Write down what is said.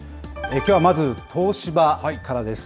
きょうはまず、東芝からです。